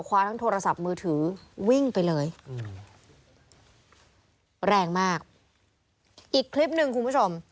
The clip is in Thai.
ทั้งโทรศัพท์มือถือวิ่งไปเลยแรงมากอีกคลิปหนึ่งคุณผู้ชม